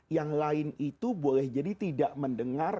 yang lain itu boleh jadi tidak mendengar